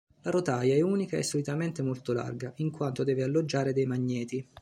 La rotaia è unica e solitamente molto larga, in quanto deve alloggiare dei magneti.